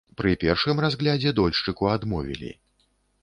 Пры першым разглядзе дольшчыку адмовілі.